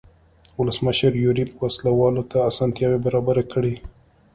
ولسمشر یوریب وسله والو ته اسانتیاوې برابرې کړې.